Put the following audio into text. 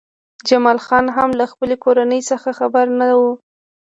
جمال خان هم له خپلې کورنۍ څخه خبر نه و